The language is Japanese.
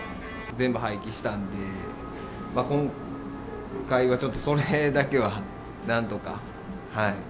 全部廃棄したんで、今回はちょっとそれだけはなんとか。